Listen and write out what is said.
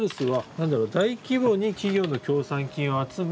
何だろ「大規模に企業の協賛金を集め」。